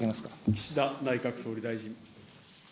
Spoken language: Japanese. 岸田内閣総理大臣。